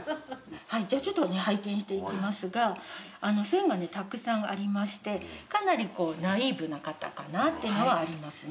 じゃちょっとね拝見していきますが線がねたくさんありましてかなりナイーブな方かなってのはありますね。